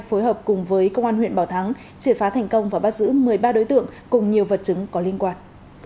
phối hợp cùng với công an huyện bảo thắng triệt phá thành công và bắt giữ một mươi ba đối tượng cùng nhiều vật chứng có liên quan